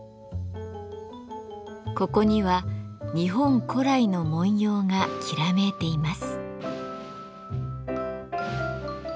ここには日本古来の文様がきらめいています。